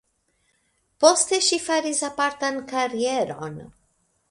Poste ŝi faris apartan karieron.